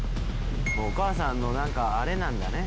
お母さんのなんかあれなんだね。